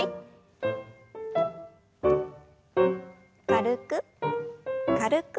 軽く軽く。